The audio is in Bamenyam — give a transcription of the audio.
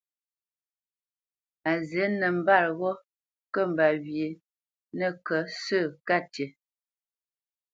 A zǐ nəmbât ghó kə mbá wyê nə́kət sə̂ ka tî.